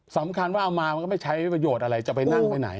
สำคัญว่าเอามามันก็ไม่ใช้ประโยชน์อะไรจะไปนั่งไปไหน